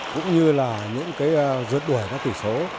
cũng như là những cái rượt đuổi các tỷ số